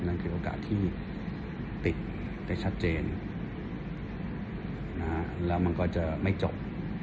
นั่นคือโอกาสที่ติดได้ชัดเจนแล้วมันก็จะไม่จบ